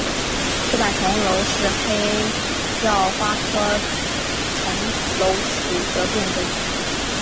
缺瓣重楼是黑药花科重楼属的变种。